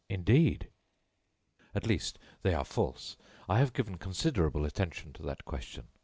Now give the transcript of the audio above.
"Indeed!" "At least, they are false. I have given considerable attention to that question.